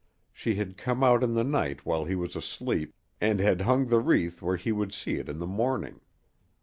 She had come out in the night while he was asleep and had hung the wreath where he would see it in the morning.